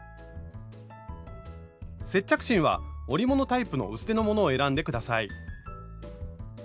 接着芯は織物タイプの薄手のものを選んで下さい。